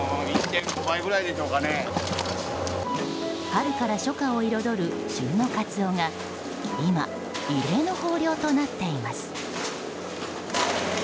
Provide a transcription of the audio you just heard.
春から初夏を彩る旬のカツオが今、異例の豊漁となっています。